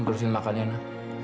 terusin makan ya na